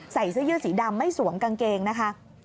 ใส่เสื้อยืดสีดำไม่สวมกางเกงนะคะ